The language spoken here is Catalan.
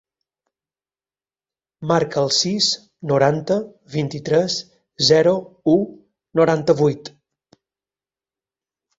Marca el sis, noranta, vint-i-tres, zero, u, noranta-vuit.